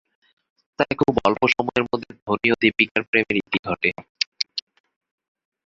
তাই খুব অল্প সময়ের মধ্যে ধোনি ও দীপিকার প্রেমের ইতি ঘটে।